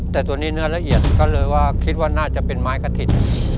แต่ตัวนี้เนื้อละเอียดก็เลยว่าคิดว่าน่าจะเป็นไม้กระถิ่น